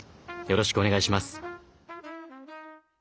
よろしくお願いします。